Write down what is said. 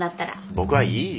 僕はいいよ。